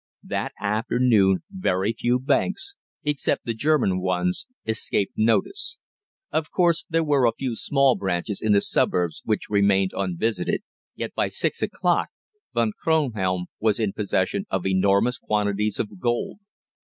That afternoon very few banks except the German ones escaped notice. Of course, there were a few small branches in the suburbs which remained unvisited, yet by six o'clock Von Kronhelm was in possession of enormous quantities of gold.